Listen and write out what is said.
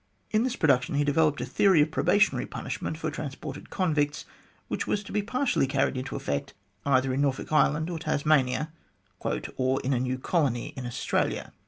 In this production he developed a theory of probationary punishment for transported convicts, which was to be partially carried into effect either in Norfolk Island, or Tasmania, " or in a new colony in Australia."